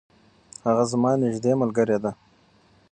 هغه زما نږدې ملګرې ده.